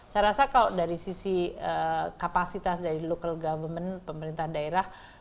saya rasa kalau dari sisi kapasitas dari pemerintah daerah